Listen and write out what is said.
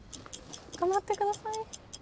頑張ってください。